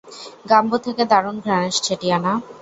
গাম্বো থেকে দারুণ ঘ্রাণ আসছে, টিয়ানা।